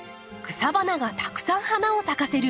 草花がたくさん花を咲かせる春。